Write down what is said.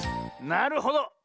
なるほど。